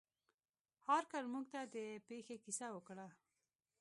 هارکر موږ ته د پیښې کیسه وکړه.